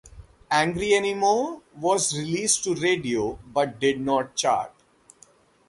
"Angry Anymore" was released to radio, but did not chart.